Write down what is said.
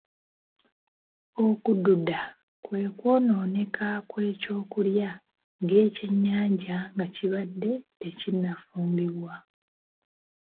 Okududa kwe kwonooneka kw’ekyokulya ng’ekyennyanja nga kibadde tekinnafumbibwa.